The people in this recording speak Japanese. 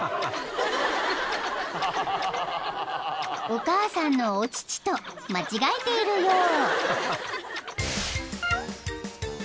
［お母さんのお乳と間違えているよう］